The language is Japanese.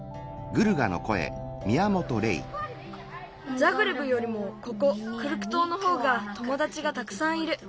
ザグレブよりもここクルク島のほうがともだちがたくさんいる。